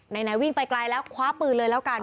ไหนวิ่งไปไกลแล้วคว้าปืนเลยแล้วกัน